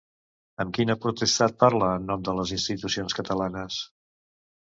Amb quina potestat parla en nom de les institucions catalanes?